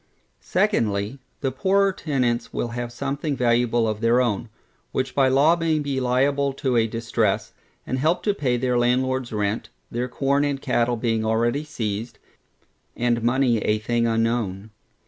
Secondly, The poorer tenants will have something valuable of their own, which by law may be made liable to a distress, and help to pay their landlordŌĆÖs rent, their corn and cattle being already seized, and money a thing unknown.